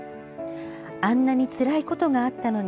「あんなにつらいことがあったのに」